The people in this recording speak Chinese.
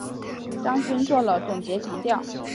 张军作了总结强调